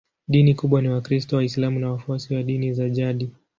Dini kubwa ni Wakristo, Waislamu na wafuasi wa dini za jadi.